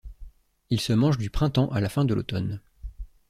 Il se mange du printemps à la fin de l'automne.